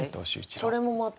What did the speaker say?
これもまた。